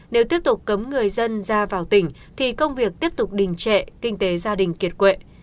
nếu tiếp tục cấm người dân ra vào tỉnh thì công việc tiếp tục đình trệ kinh tế gia đình kiệt quệ